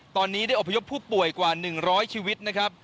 ตอนนี้ได้อบพยพผู้ป่วยกว่า๑๐๐ชีวิตนะครับ